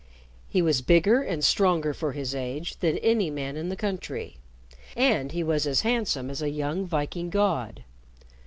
He was bigger and stronger for his age than any man in the country, and he was as handsome as a young Viking god.